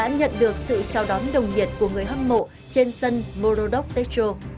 các đoàn thể thao tham dự trao đón đồng nhiệt của người hâm mộ trên sân morodok techo